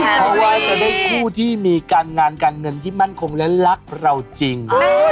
เพราะว่าจะได้คู่ที่มีการงานการเงินที่มั่นคงและรักเราจริง